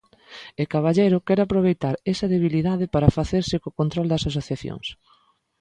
E Caballero quere aproveitar esa debilidade para facerse co control das asociacións.